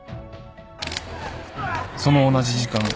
その同じ時間。